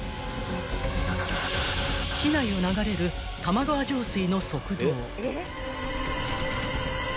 ［市内を流れる玉川上水の側道］